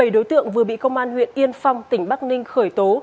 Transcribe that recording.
bảy đối tượng vừa bị công an huyện yên phong tỉnh bắc ninh khởi tố